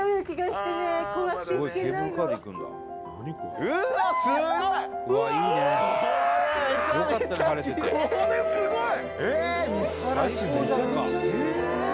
「すんごい！」